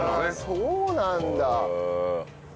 そうなんだ。